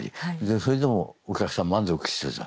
それでもお客さんは満足してた。